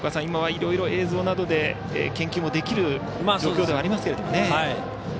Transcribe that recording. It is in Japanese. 今は、いろいろ映像などで研究もできる状況ではありますけどね。